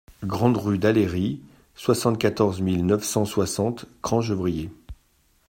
Grande Rue d'Aléry, soixante-quatorze mille neuf cent soixante Cran-Gevrier